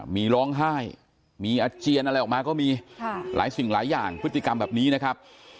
มีร้องไห้มีอาเจียนอะไรออกมาก็มีหลายสิ่งหลายอย่างพฤติกรรมแบบนี้นะครับ